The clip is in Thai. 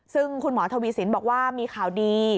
ซึ่งคุณหมอทวีสินบอกว่ามีข่าวดี